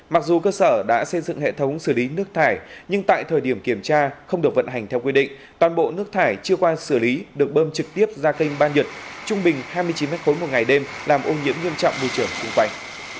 mặc dù cơ sở đã xây dựng hệ thống xử lý nước thải nhưng tại thời điểm kiểm tra không được vận hành theo quy định toàn bộ nước thải chưa qua xử lý được bơm trực tiếp ra kênh ba nhật trung bình hai mươi chín m ba một ngày đêm làm ô nhiễm nghiêm trọng môi trường xung quanh